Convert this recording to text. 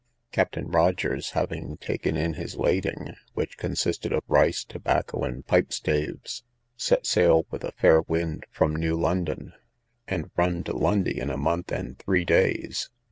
Captain Rogers having taken in his lading, which consisted of rice, tobacco, and pipe staves, set sail with a fair wind from New London, and run to Lundy in a month and three days.